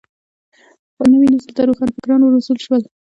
نوي نسل ته روښان فکران وروزل شول.